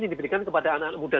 yang diberikan kepada anak muda